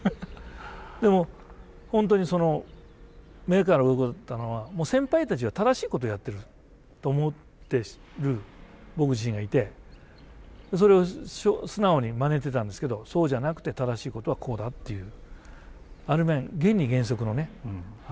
でも本当にその「目から鱗」だったのは先輩たちは正しいことをやってると思ってる僕自身がいてそれを素直にまねてたんですけどそうじゃなくて正しい方向に導いてくれたっていう。